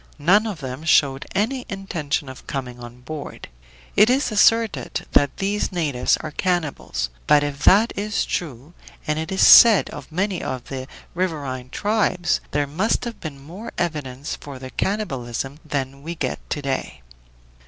None of them showed any intention of coming on board. It is asserted that these natives are cannibals; but if that is true and it is said of many of the riverine tribes there must have been more evidence for the cannibalism than we get to day.